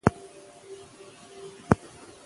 معیاري ژبه د یووالي شرط دی.